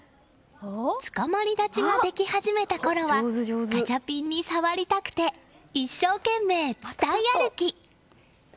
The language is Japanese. つかまり立ちができ始めたころはガチャピンに触りたくて一生懸命、つたい歩き。